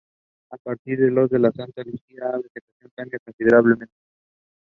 He is commemorated at the Thiepval Memorial.